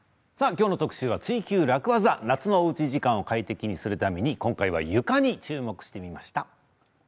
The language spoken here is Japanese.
きょうは「ツイＱ楽ワザ」夏のおうち時間を快適にするためにきょうは床に注目しました。